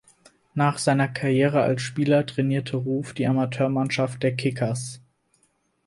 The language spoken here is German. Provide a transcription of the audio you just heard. Nach seiner Karriere als Spieler trainierte Ruf die Amateurmannschaft der Kickers.